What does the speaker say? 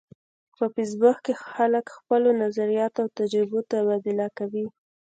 په فېسبوک کې خلک د خپلو نظریاتو او تجربو تبادله کوي